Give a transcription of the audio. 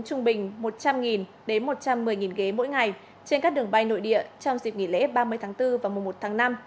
trung bình một trăm linh đến một trăm một mươi ghế mỗi ngày trên các đường bay nội địa trong dịp nghỉ lễ ba mươi tháng bốn và mùa một tháng năm